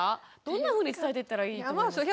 どんなふうに伝えていったらいいと思いますか？